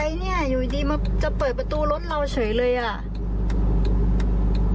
สวัสดีนี่เหมือนจะเปิดประตูรถเราเฉยเลยอ่ะ